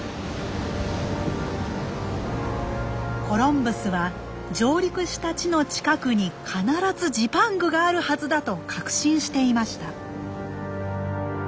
コロンブスは上陸した地の近くに必ずジパングがあるはずだと確信していました。